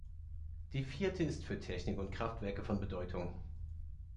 Die vierte ist für Technik und Kraftwerke von Bedeutung.